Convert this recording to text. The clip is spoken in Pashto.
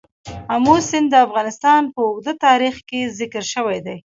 آمو سیند د افغانستان په اوږده تاریخ کې ذکر شوی دی.